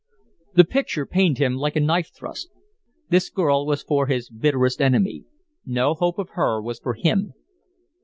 The picture pained him like a knife thrust. This girl was for his bitterest enemy no hope of her was for him.